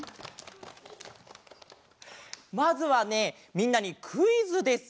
まずはねみんなにクイズです。